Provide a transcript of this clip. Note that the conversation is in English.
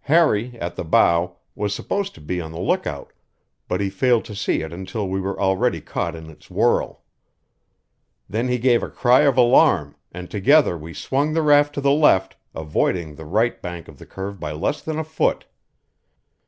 Harry, at the bow, was supposed to be on the lookout, but he failed to see it until we were already caught in its whirl. Then he gave a cry of alarm, and together we swung the raft to the left, avoiding the right bank of the curve by less than a foot.